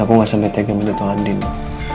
aku nggak sampai tega mendatang andin bu